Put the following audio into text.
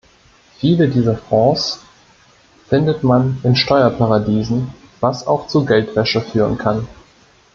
Viele dieser Fonds findet man in Steuerparadiesen, was auch zu Geldwäsche führen kann.